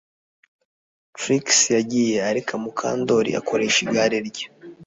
Trix yagiye areka Mukandoli akoresha igare rye